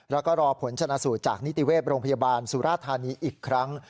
แล้วก็รอผลชนะสูตรจากนิติเวศโรงพยาบาลสุราธานีอีกครั้ง